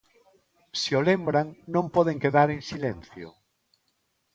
Se o lembran, non poden quedar en silencio.